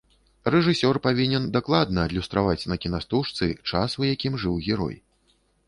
Рэжысёр павінен дакладна адлюстраваць на кінастужцы час, у якім жыў герой.